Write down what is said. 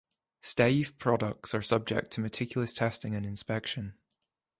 Steiff products are subject to meticulous testing and inspection.